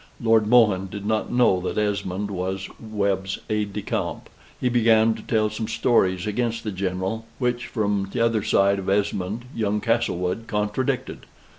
Lord Mohun did not know that Esmond was Webb's aide de camp. He began to tell some stories against the General; which, from t'other side of Esmond, young Castlewood contradicted.